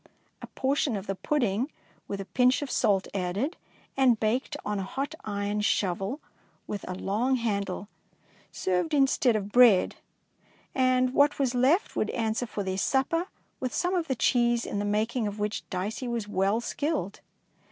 A portion of the pudding with a pinch of salt added, and baked on a hot iron shovel with a long handle, served instead of bread, and what was left would answer for their supper, with some of the cheese in the making of which Dicey was well skilled.